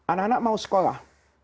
anak anak mau sekolah